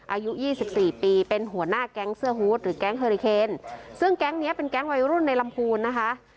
อายุยี่สิบสี่ปีเป็นหัวหน้าแก๊งเสื้อฮูตหรือแก๊งเฮอริเคนซึ่งแก๊งเนี้ยเป็นแก๊งวัยรุ่นในลำพูนนะคะ